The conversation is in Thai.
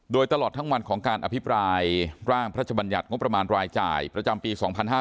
โดยตลอดทั้งวันของการอภิปรายร่างพระชบัญญัติงบประมาณรายจ่ายประจำปี๒๕๕๙